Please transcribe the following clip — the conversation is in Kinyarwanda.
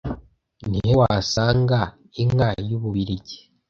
Ni he wasanga inka y'Ububiligi